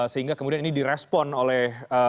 sehingga kemudian ini direspon oleh